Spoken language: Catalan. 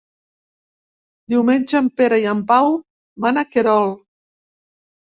Diumenge en Pere i en Pau van a Querol.